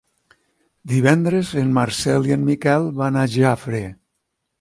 Divendres en Marcel i en Miquel van a Jafre.